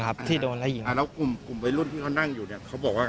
เขาบอกว่าอะไรครับ